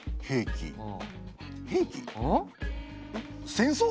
戦争！？